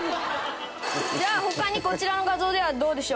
「じゃあ他にこちらの画像ではどうでしょう」